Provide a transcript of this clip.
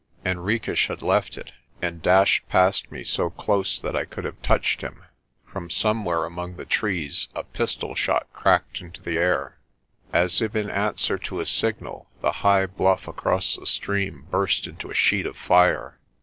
Henriques had left it, and dashed past me so close that I could have touched him. From somewhere among the trees a pistol shot cracked into the air. As if in answer to a signal the high bluff across the stream burst into a sheet of fire.